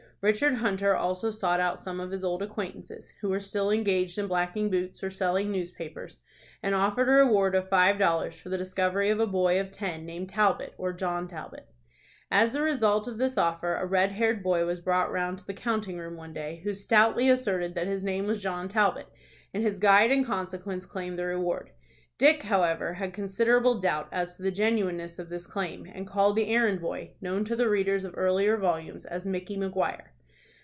Richard Hunter also sought out some of his old acquaintances, who were still engaged in blacking boots, or selling newspapers, and offered a reward of five dollars for the discovery of a boy of ten, named Talbot, or John Talbot. As the result of this offer a red haired boy was brought round to the counting room one day, who stoutly asserted that his name was John Talbot, and his guide in consequence claimed the reward. Dick, however, had considerable doubt as to the genuineness of this claim, and called the errand boy, known to the readers of earlier volumes, as Micky Maguire.